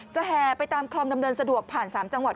แห่ไปตามคลองดำเนินสะดวกผ่าน๓จังหวัด